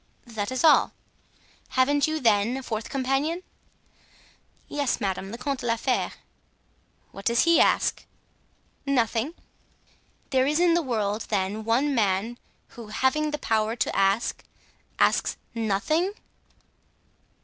"That is all." "Haven't you, then, a fourth companion?" "Yes, madame, the Comte de la Fere." "What does he ask?" "Nothing." "There is in the world, then, one man who, having the power to ask, asks—nothing!"